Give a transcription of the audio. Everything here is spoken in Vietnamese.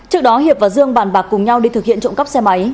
trước đó hiệp và dương bàn bạc cùng nhau đi thực hiện trộm cắp xe máy